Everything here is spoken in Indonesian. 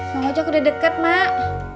mau aja aku udah deket mak